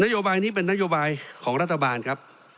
โยบายนี้เป็นนโยบายของรัฐบาลครับ